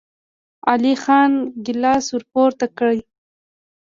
علی خان ګيلاس ور پورته کړ.